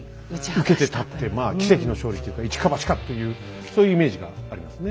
受けて立ってまあ奇跡の勝利というか一か八かっていうそういうイメージがありますね。